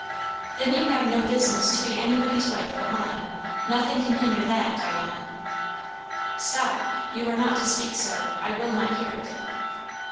"Then you have no business to be anybody's wife but mine. Nothing can hinder that, Diana." "Stop! You are not to speak so. I will not hear it."